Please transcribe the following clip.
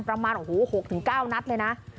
ประมาณ๖๙นับเลยนะ